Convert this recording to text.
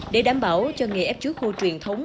để đảm bảo cho nghề ép chuối khô truyền thống